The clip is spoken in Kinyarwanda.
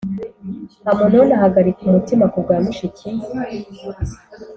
Amunoni ahagarika umutima ku bwa mushiki